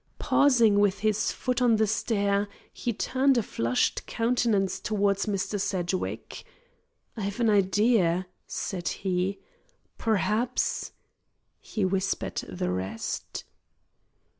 Pausing with his foot on the stair, he turned a flushed countenance towards Mr. Sedgwick. "I've an idea," said he. "Perhaps " He whispered the rest.